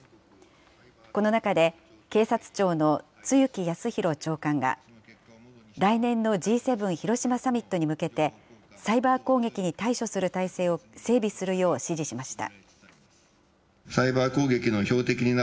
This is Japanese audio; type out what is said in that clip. この中で、警察庁の露木康浩長官が、来年のＧ７広島サミットに向けて、サイバー攻撃に対処する態勢を整備するよう指示しました。